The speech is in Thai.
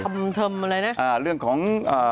คำเคริมอะไรนะ